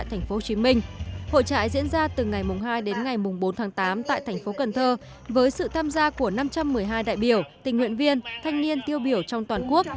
hội trại diễn ra từ ngày hai đến ngày bốn tháng tám tại thành phố cần thơ với sự tham gia của năm trăm một mươi hai đại biểu tình nguyện viên thanh niên tiêu biểu trong toàn quốc